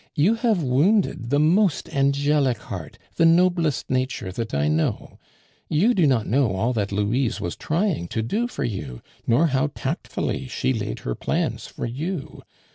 "You have wounded the most angelic heart, the noblest nature that I know. You do not know all that Louise was trying to do for you, nor how tactfully she laid her plans for you.